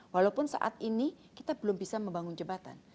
walaupun saat ini kita belum bisa membangun jembatan